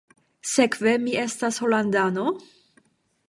Sekve mi estas Holandano?